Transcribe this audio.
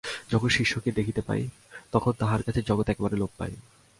যখন সে ঈশ্বরকে দেখিতে পায়, তখন তাহার কাছে জগৎ একেবারে লোপ পায়।